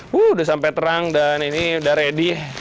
sudah sampai terang dan ini sudah ready